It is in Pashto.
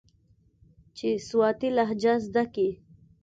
چې سواتي لهجه زده کي.